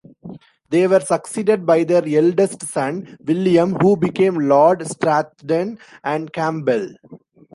They were succeeded by their eldest son, William, who became Lord Stratheden and Campbell.